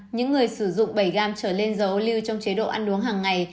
những người sử dụng bảy gram trở lên dầu ô lưu trong chế độ ăn uống hằng ngày